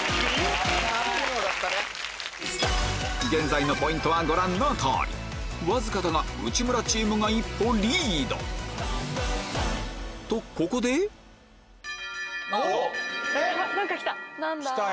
現在のポイントはご覧の通りわずかだが内村チームが一歩リードとここであっ何か来た。